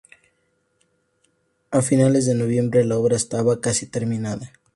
A finales de noviembre, la obra estaba casi terminada.